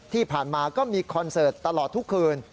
ที่ผ่านมาก็มีคอนเสิร์ตตลอดทุกคืน